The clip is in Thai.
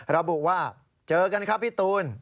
ระบุว่าเจอกันครับพี่ตูน